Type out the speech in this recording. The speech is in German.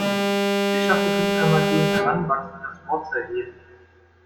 Sie schafft es nicht einmal, gegen Heranwachsende das Wort zu erheben.